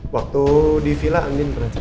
waktu di vila andin pernah cek